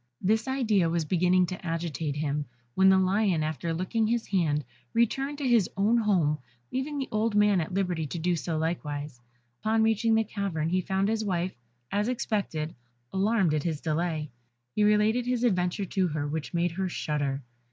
This idea was beginning to agitate him, when the lion, after licking his hand, returned to his own home, leaving the old man at liberty to do so likewise. Upon reaching the cavern he found his wife, as he expected, alarmed at his delay; he related his adventure to her, which made her shudder.